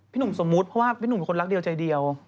หนุ่มสมมุติเพราะว่าพี่หนุ่มเป็นคนรักเดียวใจเดียว